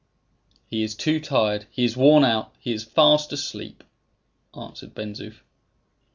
"He is too tired; he is worn out; he is fast asleep," answered Ben Zoof.